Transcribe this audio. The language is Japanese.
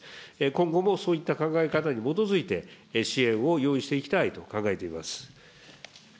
今後もそういった考え方に基づいて、支援を用意していきたいと考えています。